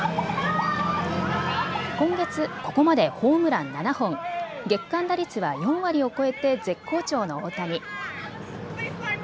今月、ここまでホームラン７本、月間打率は４割を超えて絶好調の大谷。